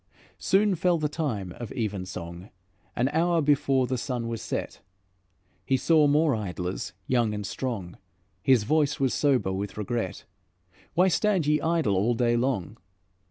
"Soon fell the time of evensong. An hour before the sun was set, He saw more idlers, young and strong; His voice was sober with regret: 'Why stand ye idle all day long?'